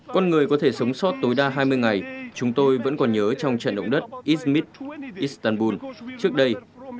con người có thể sống sót tối đa hai mươi ngày chúng tôi vẫn còn nhớ trong trận động đất ismit istanbul trước đây